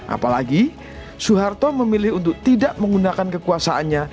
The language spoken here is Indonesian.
apalagi soeharto memilih untuk tidak menggunakan kekuasaannya